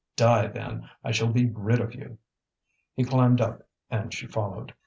"Die then; I shall be rid of you!" He climbed up and she followed.